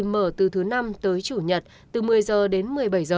mở từ thứ năm tới chủ nhật từ một mươi h đến một mươi bảy h